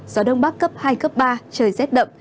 gió đông bắc cấp hai cấp ba trời rét đậm